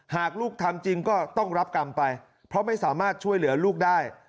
หากลูกทำจริงก็ต้องรับกรรมไปเพราะไม่สามารถช่วยเหลือลูกได้